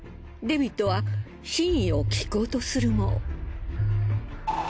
デビッドは真意を聞こうとするも。